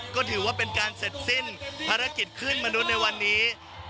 ก็ถือว่าเป็นการเสร็จสิ้นภารกิจขึ้นมนุษย์ในวันนี้